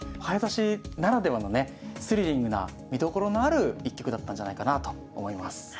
早指しならではのねスリリングな見どころのある一局だったんじゃないかなと思います。